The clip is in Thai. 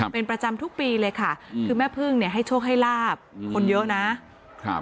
เป็นประจำทุกปีเลยค่ะคือแม่พึ่งเนี่ยให้โชคให้ลาบคนเยอะนะครับ